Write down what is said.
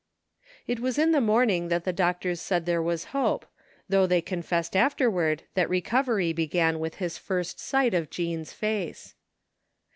It was in the morning that the doctors said there was hope, though they confessed afterward that re covery began with his first sight of Jean's face.